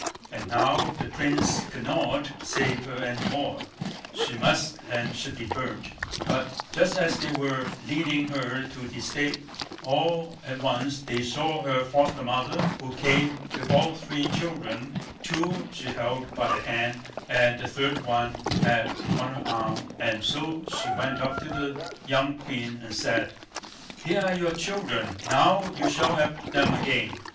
And now the Prince could not save her any longer. She must and should be burnt. But just as they were leading her to the stake, all at once they saw her foster mother, who came with all three children—two she led by the hand, and the third she had on her arm; and so she went up to the young queen and said: "Here are your children; now you shall have them again.